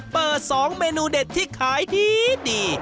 เปิด๒เมนูเด็ดที่ขายดี